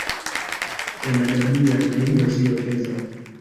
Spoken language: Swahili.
e nagabwira naibu wa waziri wa fedha